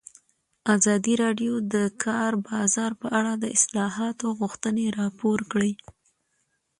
ازادي راډیو د د کار بازار په اړه د اصلاحاتو غوښتنې راپور کړې.